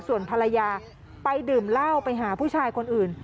ส่วนภรรยาไปดื่มเหล้าไปหาผู้ชายคนอื่น